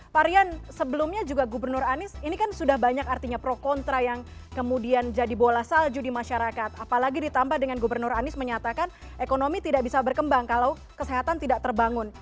pak rian sebelumnya juga gubernur anies ini kan sudah banyak artinya pro kontra yang kemudian jadi bola salju di masyarakat apalagi ditambah dengan gubernur anies menyatakan ekonomi tidak bisa berkembang kalau kesehatan tidak terbangun